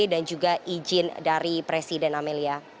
dan juga izin dari presiden amelia